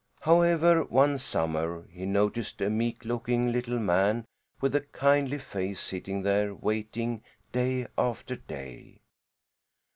However, one summer, he noticed a meek looking little man with a kindly face sitting there waiting day after day.